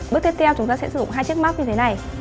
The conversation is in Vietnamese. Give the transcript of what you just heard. bước tiếp theo chúng ta sẽ sử dụng hai chiếc móc như thế này